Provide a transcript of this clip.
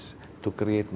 nah stoked up dengan pukul